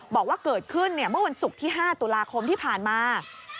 บอกว่าเกิดขึ้นเมื่อวันศุกร์ที่๕ตุลาคมที่ผ่านมา